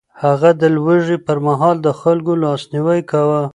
هغه د لوږې پر مهال د خلکو لاسنيوی کاوه.